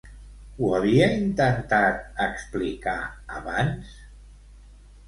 Ho havia intentat explicar abans?